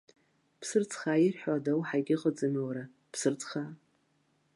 Ԥсырӡхаа ирҳәо ада уаҳа егьыҟаӡами уара, ԥсырӡхаа!